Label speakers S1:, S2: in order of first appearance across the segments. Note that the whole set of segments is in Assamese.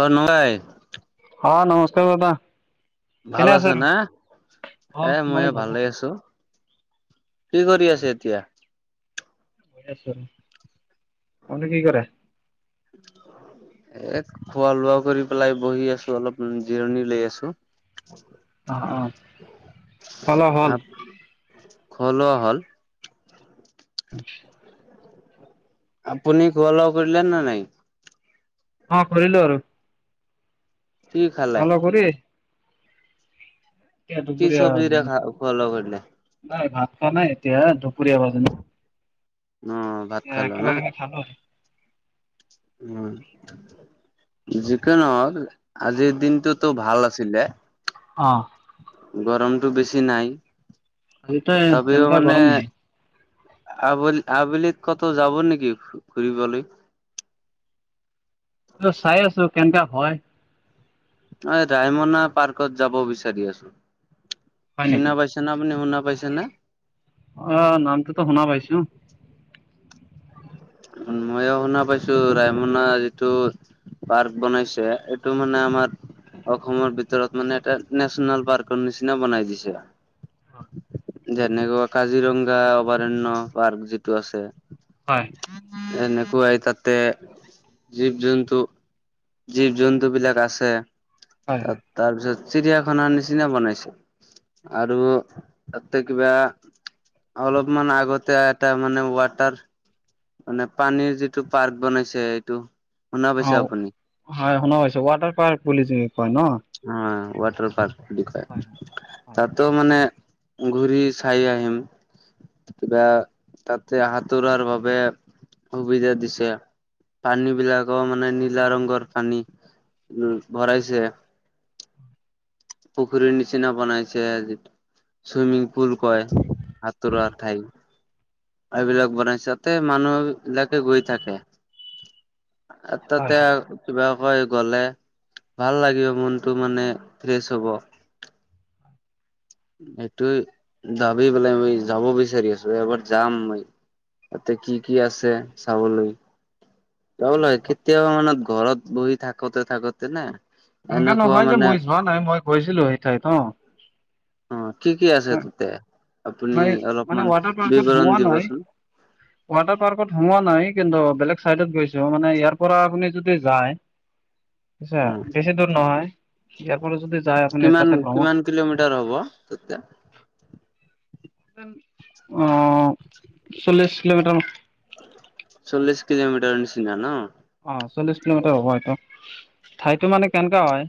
S1: লোৱা নোনাই,
S2: অ নমস্কাৰ বাবা,
S1: ভাল আছে নে
S2: অ
S1: এ মই
S2: ভালে
S1: ভালেই আছো। কি কৰি আছে এতিয়া।
S2: [unintelligible] আপুনি কি কৰে।
S1: [inaudible] এ খোৱা লোৱা কৰি পেলাই বহি আছো অলপ জিৰণি লৈ আছো। [unintelligible]
S2: অ অ হল অও হল।
S1: খোৱালোৱা হ'ল।
S2: [inaudible]
S1: আপুনি খোৱা লোৱা কৰিলেনে নাই।
S2: অঁ কৰিলো আৰু
S1: কি খালে
S2: ভাল হব দেই
S1: কি
S2: দুপৰীয়া
S1: চব্জি দেখা ওপলগনে
S2: নাই ভাত খোৱা নাই এতিয়া দুপুৰীয়া হল ন
S1: অ ভাত
S2: এ
S1: খালো
S2: কিবা কিবি খালো
S1: উম যিকি নহওক, আজিৰ দিনটোতো ভাল আছিলে।
S2: অ
S1: গৰমটো বেছি নাই
S2: আজিতো
S1: তথাপিও
S2: তেনেকা
S1: মানে
S2: গৰম নাই
S1: আবলি আবেলিত কতো যাব নেকি ফু ফুৰিবলে
S2: ত', চাই আছো কেনকা হয়।
S1: অ ৰায়মনা পাৰ্কত যাব বিচাৰি আছো
S2: হয় নেকি
S1: চিনা পাইছে আপুনি শুনা পাইছে না
S2: অ নামটোত শুনা পাইছো
S1: ময়ো শুনা পাইছো ৰায়মনা যিটো পাৰ্ক বনাইছে এইটো মানে আমাৰ অসমৰ ভিতৰত মানে এটা নেচনেল পাৰ্কৰ নিচিনা বনাই দিছে। যেনেকুৱা কাজিৰঙা অভৰাণ্যয় পাৰ্ক যিটো আছে
S2: হয়
S1: এনেকুৱাই তাতে জীৱ জন্তু জীৱ জন্তু বিলাক আছে
S2: হয়
S1: তা
S2: হয়
S1: তাৰপিছত চিৰিয়াখানাৰ নিচিনা বনাইছে আৰু তাতে কিবা অলপমান আগতে এটা মানে ৱাটাৰ মানে পানীৰ যিটো পাৰ্ক বনাইছে এইটো শুনা
S2: অ
S1: পাইছে আপুনি
S2: হয় শুনা পাইছো ৱাটাৰ পাৰ্ক বুলি যি কয় ন
S1: অ ওৱাটাৰ পাৰ্ক বুলি
S2: হয়
S1: কয়
S2: হয়
S1: তাতো মানে ঘূৰি চাই আহিম কিবা তাতে সাঁতোৰাৰ বাবে সুবিধা দিছে পানী বিলাকো মানে নীলা ৰঙগৰ পানী উম ভৰাইছে পুখুৰীৰ নিচিনা বনাইছে আজি চুইমিং পুল কয়। হাতুৰাৰ ঠাই এইবিলাক বনাইছে তাতে মানুহ বিলাকে গৈ থাকে
S2: হয়
S1: তাতে
S2: হয়
S1: কিবা কৈ গলে ভাল লাগিব মন টো মানে ফ্ৰেচ হ'ব
S2: [inaudible]
S1: সেইটোৱে যাবি বেলাই মই যাব বিচাৰি আছো এবাৰ যাম মই। তাতে কি কি আছে চাবলৈ যাব লাগে কেতিয়াবা মানে ঘৰত বহি থাকোতে থাকোতে না
S2: এনেকা
S1: এনেক
S2: নহয় যে মই যোৱা নাই মই গৈছিলো সেই ঠাইত হঅ
S1: অ কি কি আছে তাতে আপুনি
S2: হয় মানে
S1: অলপমান
S2: ৱাটাৰ পাৰ্কত
S1: বিৱৰণ
S2: সোমোৱা নাই
S1: দিবচোন
S2: [unintelligible] ৱাটাৰ পাৰ্কত সোমোৱা নাই কিন্তু বেলেগ চাইডত গৈছো মানে ইয়াৰ পৰা আপুনি যদি যায় চে
S1: অ
S2: বেছি দূৰ নহয়। ইয়াৰ পৰা যদি যায় আপুনি
S1: কিমান
S2: তাতে ভ্ৰমণ
S1: কিমান কিলোমিটাৰ হব তেতিয়া
S2: অ', চল্লিছ কিলোমিটাৰ
S1: চল্লিশ কিলোমিটাৰ নিচিনা ন
S2: অ চল্লিশ কিলোমিটাৰ হ'ব এইটো ঠাইতো মানে কেনকা হয়।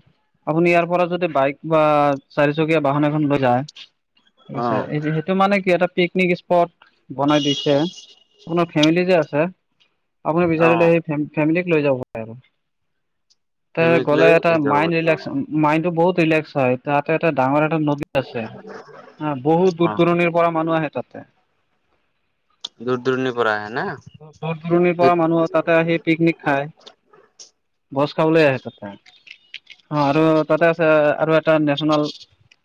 S2: আপুনি ইয়াৰ পৰা যদি বাইক বা চাৰিচকীয়া বাহন এখন লৈ যায় এই
S1: অ
S2: চাৰি এই হে এইটো মানে কি এটা পিকনিক স্পট বনাই দিছে আপোনাৰ ফেমিলি যে আছে। আপুনি
S1: অ
S2: বিচাৰিলে সেই ফে ফেমিলী লৈ যাব পাৰে আৰু। তই
S1: ফেমিলিক
S2: গ'লে
S1: লৈ
S2: এটা
S1: যাব
S2: মাইণ্ড
S1: পাৰিব অ
S2: ৰিলেকচন মাইণ্ড টো বহুত ৰিলেক্স হয় তাতে এটা ডাঙৰ এটা নদী আছে বহুত দূৰ
S1: অ
S2: দূৰণিৰ পৰা মানুহ আহে তাতে।
S1: দূৰ দূৰণি পৰা আহে না।
S2: বহুত দূৰণিৰ পৰা
S1: সেইটো
S2: মানুহ তাতে আহি পিকনিক খায়। ভোজ খাবলৈ আহে তাতে। অ', আৰু তাতে আছে আৰু এটা নেচনেল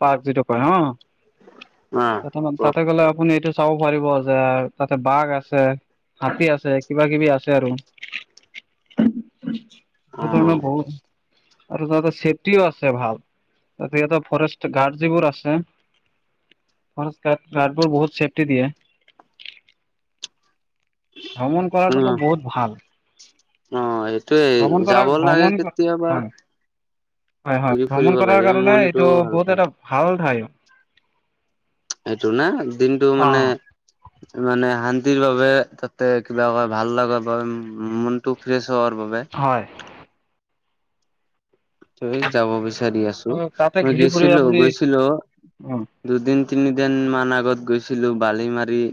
S2: পাৰ্ক যিটো কয় অঁ'।
S1: [inaudible]
S2: তাতে গ'লে আপুনি এইটো চাব পাৰিব যে তাতে বাঘ আছে। হাতী আছে কিবা কিবি আছে আৰু।
S1: অ
S2: বহুত ধৰণৰ বহুত আৰু তাতে চছেফটিও আছে ভাল। তাতে সিহঁতৰ ফৰেষ্ট গাৰ্ড যিবোৰ আছে। ফৰেষ্ট গাৰ্ড গাৰ্ডবোৰ বহুত ছেফ্টি দিয়ে। ভ্ৰমণ
S1: উম
S2: কৰাটোটো বহুত ভাল।
S1: অ সেইটোৱেই
S2: ভ্ৰমণ কৰা
S1: যাব লাগে
S2: ভ্ৰমণ
S1: কেতিয়াবা।
S2: হয় হয় হয়
S1: ঘূৰি ফুৰিব
S2: ভ্ৰমণ কৰাৰ
S1: লাগে
S2: কাৰণে
S1: মনটো
S2: এইটো
S1: হালকা
S2: বহুত এটা ভাল ঠাই।
S1: সেইটো না দিনটো মানে
S2: [inaudible]
S1: মানে শান্তিৰ বাবে তাতে কিবা ভাল লগা বা মনটো ফ্ৰেছ হোৱাৰ বাবে।
S2: হয়।
S1: তই যাব বিচাৰি আছো
S2: তাতে
S1: মই
S2: ঘূৰি ফুৰি
S1: গিছিলো
S2: আপুনি
S1: গৈছিলো।
S2: অ
S1: দুদিন তিনিদিন মান আগত গৈছিলো বালি মাৰি।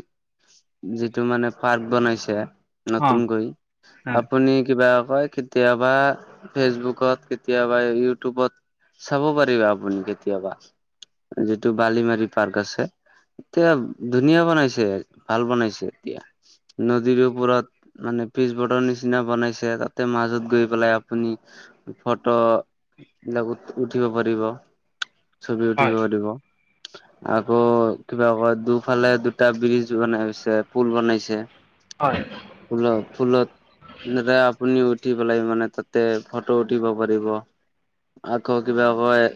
S1: যিটো মানে পাৰ্ক বনাইছে
S2: অ
S1: নতুনকৈ
S2: হয়
S1: আপুনি কিবা কয়। কেতিয়াবা ফেচবুকত কেতিয়াবা ইউটিউবত। চাব পাৰিব, আপুনি কেতিয়াবা। যিটো বালিমাৰি পাৰ্ক আছে এতিয়া ধুনীয়া বনাইছে। ভাল বনাইছে এতিয়া নদীৰ ওপৰত। মানে পিছবডৰ নিচিনা বনাইছে তাতে মাজত গৈ পেলাই আপুনি ফট' ডাবল ফটো উঠিব পাৰিব। ছবি উঠিব
S2: হয়
S1: পাৰিব। আকৌ কিবা ক দুফালে দুটা ব্ৰীজ বনাইছে পুল বনাইছে।
S2: হয়।
S1: ফুল ফুলত। আপুনি উঠি পেলাই মানে তাতে ফটো উঠিব পাৰিব। আকৌ কিবা হয়।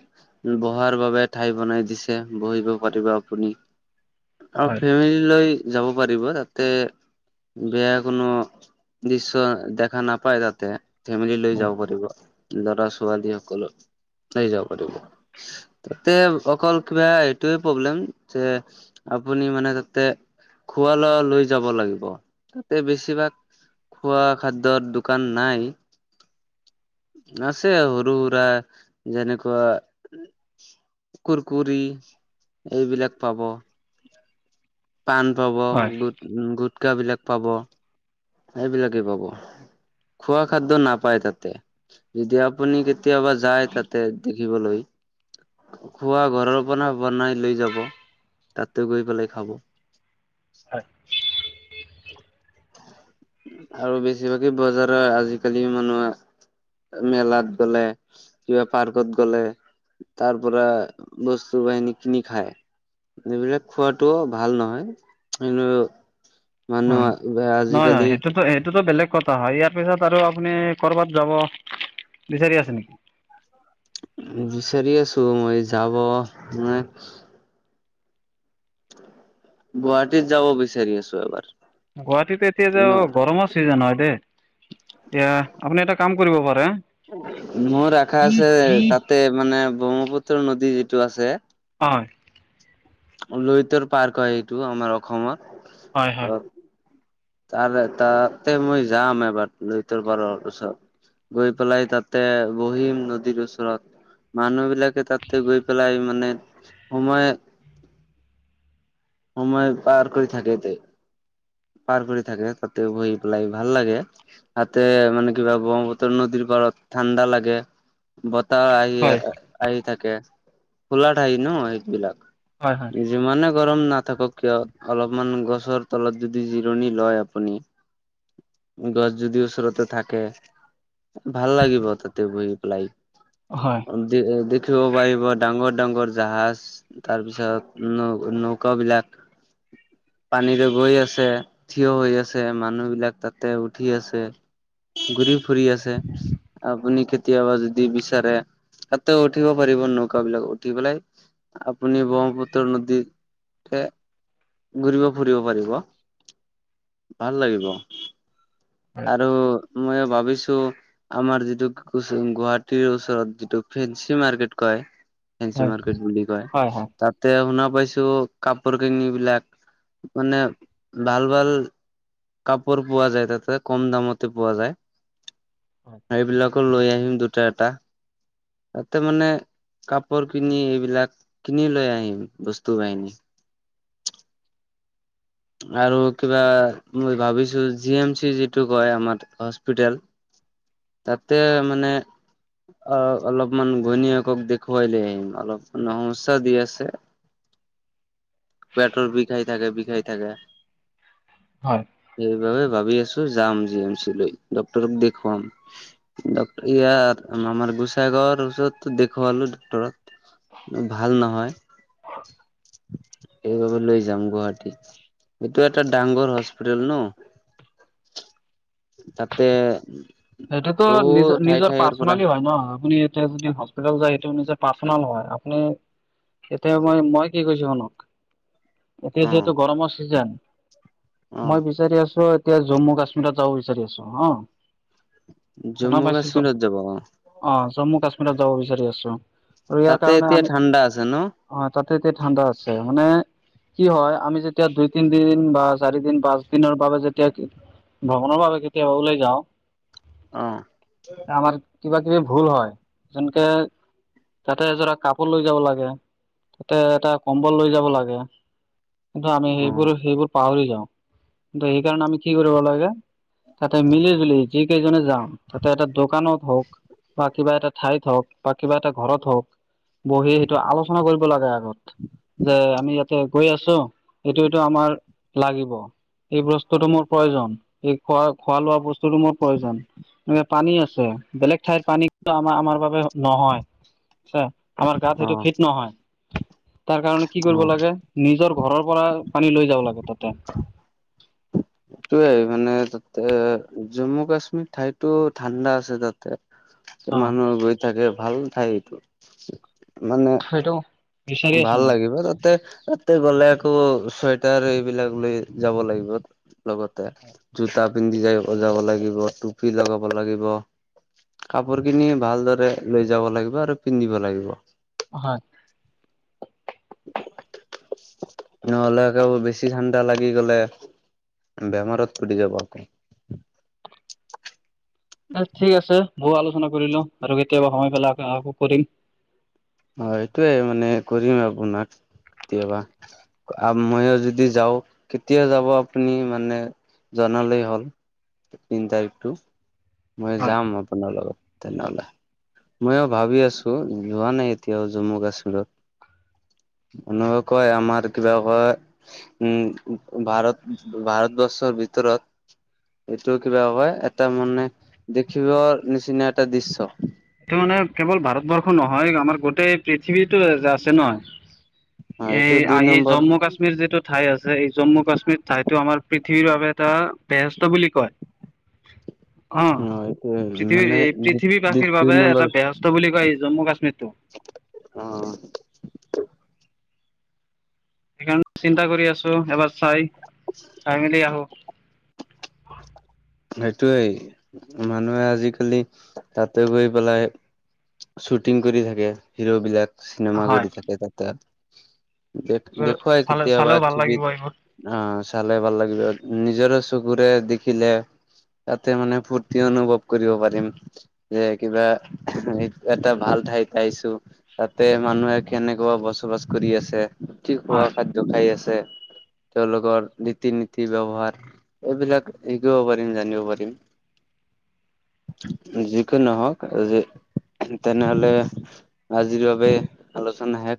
S1: বহাৰ বাবে ঠাই বনাই দিছে। বহিব পাৰিব আপুনি। অঁ'
S2: হয়
S1: ফেমিলি লৈ যাব পাৰিব তাতে। বেয়া কোনো দৃশ্য দেখা নাপায় তাতে। ফেমিলি লৈ যাব পাৰিব। ল'ৰা-ছোৱালী সকলো লৈই যাব পাৰিব। তাতে অকল কিবা এইটোৱে প্ৰব্লেম যে আপুনি মানে তাতে খোৱা লোৱা লৈ যাব লাগিব, তাতে বেছিভাগ খোৱা খাদ্যৰ দোকান নাই। আছে সৰু-সুৰা যেনেকুৱা কুৰকুৰি, এইবিলাক পাব পাণ পাব।
S2: হয়।
S1: গুট উ গুটকা বিলাক পাব। সেইবিলাকে পাব। খোৱা খাদ্য নাপায় তাতে যেতিয়া আপুনি কেতিয়াবা যায় তাতে থাকিবলৈ খোৱা ঘৰৰ পৰা বনাই লৈ যাব, তাতে গৈ পেলাই খাব।
S2: হয়।
S1: আৰু বেছিভাগে বজাৰৰ আজিকালি মানুহে মেলাত গ'লে, কিবা পাৰ্কত গ'লে তাৰ পৰা বস্তু বাহিনী কিনি খায়। এইবিলাক খোৱাটো ভাল নহয়, কিন্তু মানুহ [unintelligible] আজি
S2: হয়-হয় সেইটোতো, সেইটোতো বেলেগ কথা হয়, ইয়াৰ পিছত আৰু আপুনি ক'ৰবাত যাব বিচাৰি আছে নেকি?
S1: বিচাৰি আছো মই যাব, মানে গুৱাহাটীত যাব বিচাৰি আছো এবাৰ।
S2: গুৱাহাটীত এতিয়া
S1: ন
S2: যাব গৰমত ছিজন হয় দেই, এতিয়া আপুনি এটা কাম কৰিব পাৰে
S1: মোৰ আশা আছে তাতে মানে ব্ৰহ্মপুত্ৰ নদী যিটো আছে
S2: হয়।
S1: লুইতৰ পাৰ কয় এইটো আমাৰ অসমত।
S2: হয় হয়।
S1: তাৰে তাতে মই যাম এবাৰ, লুইতৰ পাৰৰ ওচৰত গৈ পেলাই তাতে বহিম নদীৰ ওচৰত মানুহ বিলাকে তাতে গৈ পেলাই মানে সময় সময়ে পাৰ কৰি থাকেতে। পাৰ কৰি থাকে তাতে বহি পেলাই, ভাল লাগে। তাতে মানে কিবা ব্ৰহ্মপুত্ৰৰ নদীৰ পাৰত ঠাণ্ডা লাগে। বতাহ আহি
S2: হয়
S1: আহ আহি থাকে, খোলা ঠাই ন সেইবিলাক?
S2: হয়
S1: যিমানে গৰম না থাকক কিয় অলপমান গছৰ তলত যদি জিৰণি লয় আপুনি গছ যদি ওচৰতে থাকে ভাল লাগিব তাতে বহি পেলাই
S2: হয়।
S1: দেখিব পাৰিব, ডাঙৰ- ডাঙৰ জাহাজ তাৰ পিছত নৌ- নৌকা বিলাক।
S2: উ [inaudible]
S1: পানীৰে গৈ আছে, থিয় হৈ আছে, মানুহ বিলাক তাতে উঠি আছে। ঘূৰি ফুৰি আছে আপুনি কেতিয়াবা যদি বিচাৰে তাতে উঠিব পাৰিব নৌকা বিলাকত উঠি পেলাই আপুনি ব্ৰহ্মপুত্ৰ নদী তাতে ঘূৰিব ফুৰিব পাৰিব, ভাল লাগিব।
S2: হয়
S1: আৰু মইও ভাবিছো আমাৰ যিটো গুৱাহাটীৰ ওচৰত যিটো ফেন্সি মাৰ্কেট কয়। ফেঞ্চি মাৰ্কেট বুলি কয়
S2: হয় হয়
S1: তাত তে শুনা পাইছো কাপোৰ কানি বিলাক মানে ভাল ভাল কাপোৰ পোৱা যায় তাতে কম দামতে পোৱা যায়
S2: হয়
S1: সেইবিলাক। আকৌ লৈ আহিম দুটা এটা। তাতে মানে কাপোৰ কিনি এইবিলাক কিনি লৈ আহিম বস্তু বাহিনী।
S2: [inaudible]
S1: আৰু কিবা মই ভাবিছো জি এম চি টো কয় আমাৰ হস্পিতেল তাতে মানে অ' অলপমান ঘৈনীয়েকক দেখুৱাই লৈ আহিম, অলপমান সমস্যা দি আছে।
S2: [inaudible]
S1: পেট্ বিষাই থাকে বিষাই থাকে
S2: হয়
S1: সেইবাবে ভাবি আছো যাম জি এম চি লৈ ডক্টৰক দেখুৱাম। ড ইয়াৰ আমাৰ গোসাইগাৱৰ ওচৰতো দেখুৱালো ডক্তৰক। ভাল নহয় এইবাবে লৈ যাম গুৱাহাটী। এইটো এটা ডাংঙৰ হস্পিটেল ন'। তাতে
S2: সেইটোতো
S1: বহুত
S2: নিজৰ
S1: ঠাই
S2: নিজৰ
S1: ঠাইৰ পৰা
S2: পাৰ্চনেলি হয় ন', আপুনি এতিয়া যদি যায় সেইটো যায় নিজে পাৰ্চনেল হয়। আপুনি এতিয়া মই মই কি কৈছো শুনক। এতিয়া
S1: অ
S2: যিহেতু গৰমৰ ছিজন,
S1: অ
S2: মই বিচাৰি আছো এতিয়া জম্মু কাশ্মীৰত যাব বিচাৰি আছো হ'।
S1: জম্মু কাশ্মীৰত যাব অ'।
S2: অ' জম্মু কাশ্মীৰত যাব বিচাৰি আছো, আৰু ইয়াৰ
S1: তাতে
S2: কাৰণে
S1: এতিয়া
S2: আমি
S1: ঠাণ্ডা আছে ন
S2: অ' তাতে এতিয়া ঠাণ্ডা আছে। মানে কি হয়, আমি যেতিয়া দুই তিন দিন বা চাৰি দিন পাঁচ দিনৰ বাবে যেতিয়া ভ্ৰমণৰ বাবে কেতিয়াবা ওলাইযাওঁ।
S1: অ'।
S2: আমাৰ কিবা কিবি ভুল হয়, যেনকে তাতে এযৰা কাপোৰ লৈ যাব লাগে। তাতে এটা কম্বল লৈ যাব লাগে, কিন্তু আমি
S1: অ
S2: সেইবোৰ সেইবোৰ পাহৰি যাওঁ। কিন্তু সেইকাৰণে আমি কি কৰিব লাগে, তাতে মিলি জুলি যিকেইজনে যাওঁ, তাতে এটা দোকানত হওঁক বা কিবা এটা ঠাইত হওঁক বা কিবা এটা ঘৰত হওঁক বহি সেইটো আলোচনা কৰিব লাগে আগত। যে আমি ইয়াতে গৈ আছো এইটো এইটো আমাৰ লাগিব। এই বস্তুটো মোৰ প্ৰয়োজন, এই খোৱা খোৱা লোৱা বস্তুটো মোৰ প্ৰয়োজন, এনেক পানী আছে বেলেগ ঠাইত পানী আমাৰ আমাৰ বাবে নহয়। আচ্ছা। আমাৰ গাত
S1: অ
S2: সেইটো
S1: অ
S2: ফিট নহয়। তাৰ কাৰণে কি কৰিব লাগে, নিজৰ ঘৰৰ পৰা পানী লৈ যাব লাগে তাতে।
S1: ইটোয়েই মানে তাতে জম্মু কাশ্মীৰ ঠাইতো ঠাণ্ডা আছে তাতে।
S2: [unintelligible]
S1: মানুহও গৈ থাকে ভাল ঠাই এইটো। মানে
S2: সেইটো বিচাৰি আছো
S1: ভাল
S2: মই।
S1: লাগিব। তাতে তাতে গ'লে আকৌ চুৱেটাৰ এইবিলাক লৈ যাব লাগিব, লগতে জোতা পিন্ধি যাইব যাব লাগিব টুপি লগাব লাগিব কাপোৰ কিনি ভালদৰে লৈ যাব লাগিব আৰু পিন্ধিব লাগিব।
S2: হয়
S1: নহ'লে আকৌ বেছি ঠাণ্ডা লাগি গলে বেমাৰত পৰি যাব
S2: পাল ঠিক আছে বহু আলোচনা কৰি লও আৰু কেতিয়াবা সময় পালে আক আকৌ কৰিম
S1: হয়', এইটোয়ে মানে কৰিম আপোনাক কেতিয়াবা আ মইও যদি যাওঁ কেতিয়া যাব আপুনি মানে জনালেই হ'ল দিন তাৰিখটো মই
S2: হয়
S1: যাম আপোনাৰ লগত তেনেহলে মইও ভাবি আছো যোৱা নাই এতিয়াও জম্মু কাশ্মীৰত মানুহে কয় আমাৰ কিবা কয় উম ভাৰত ভাৰতবৰ্চৰ ভিতৰত এইটো কিবা কয় এটা মানে দেখিবৰ নিচিনা এটা দৃশ্য
S2: এইটো মানে কেৱল ভাৰতবৰ্ষ নহয় আমাৰ গোটেই পৃথিৱীতো আ আছে নহয়
S1: অ
S2: এই
S1: এইটো দুই
S2: আই
S1: নম্বৰ
S2: জম্মু কাশ্মীৰ যিটোত ঠাই আছে এই জম্মু কাশ্মীৰ ঠাইতটো আমাৰ পৃথিৱীৰ বাবে এটা বেষ্ট বুলি কয় অ
S1: এইটোৱে
S2: ঠিকেই
S1: মানে
S2: এই পৃথিৱী বা
S1: দুই
S2: বাবে এটা
S1: নম্বৰ
S2: বেহস্ত বুলি কয় এই জম্মু কাশ্মীৰ টো
S1: অ
S2: সেইকাৰণে চিন্তা কৰি আছো এবাৰ চাই চাই মেলি আহো
S1: সেইটোৱেই মানুহে আজিকালি তাতে গৈ পেলাই শ্বুটিং কৰি থাকে হিৰ' বিলাক চিনেমা
S2: হয়।
S1: কৰি থাকে তাতে দে দেখুৱাই
S2: চালে
S1: কেতিয়াবা
S2: চালেও ভাল
S1: টিভিত
S2: লাগিব এইবোৰ
S1: অ', চালে ভাল লাগিব, নিজৰে চকুৰে দেখিলে তাতে মানে ফূৰ্তি অনুভৱ কৰিব পাৰিম যে কিবা এ এটা ভাল ঠাই পাইছো তাতে মানুহে কেনেকুৱা বচবাচ কৰি আছে কি খোৱা
S2: হয়।
S1: খাদ দ্য জোখাই আছে তেওঁলোকৰ ৰীতি নীতি ব্যৱহাৰ এইবিলাক শিকিব পাৰি। ম জানিব পাৰিম যি কি নহওক যে তেনেহলে আজিৰ বাবে আলোচনা হেক